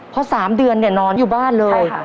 เพราะ๓เดือนเนี่ยนอนอยู่บ้านเลย